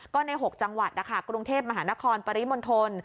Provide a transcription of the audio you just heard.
ก็ใน๖จังหวัดนะคะกรุงเทพมหานครปริมณฑล